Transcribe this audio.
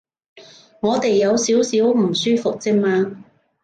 我哋有少少唔舒服啫嘛